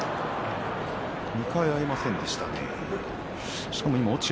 ２回、合いませんでした。